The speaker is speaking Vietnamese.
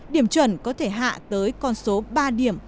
điểm chuẩn có thể hạ tới con số ba điểm